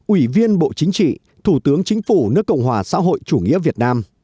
ủy viên bộ chính trị thủ tướng chính phủ nước cộng hòa xã hội chủ nghĩa việt nam